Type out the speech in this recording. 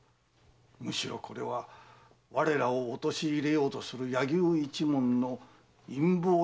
むしろこれは我らを陥れようとする柳生一門の陰謀やもしれぬ。